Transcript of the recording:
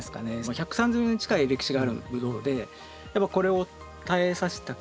１３０年近い歴史があるブドウでやっぱこれを絶えさせたくない。